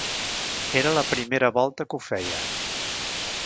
Era la primera volta que ho feia.